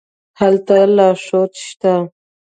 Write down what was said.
هلته لارښود شته.